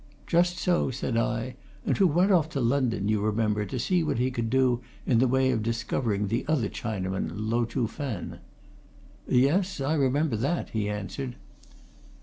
"Just so," said I, "and who went off to London, you remember, to see what he could do in the way of discovering the other Chinaman, Lo Chuh Fen." "Yes I remember that," he answered.